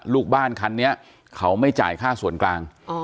ลูกบ้านคันนี้เขาไม่จ่ายค่าส่วนกลาง